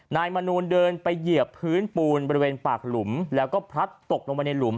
มนูลเดินไปเหยียบพื้นปูนบริเวณปากหลุมแล้วก็พลัดตกลงไปในหลุม